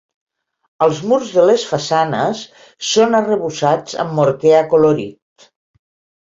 Els murs de les façanes són arrebossats amb morter acolorit.